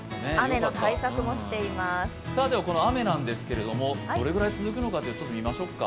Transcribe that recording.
この雨なんですけど、どのくらい続くのか見ましょうか。